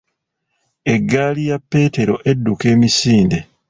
Eggaali ya Peetero edduka emisinde.